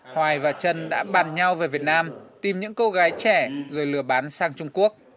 hoài và trân đã bàn nhau về việt nam tìm những cô gái trẻ rồi lừa bán sang trung quốc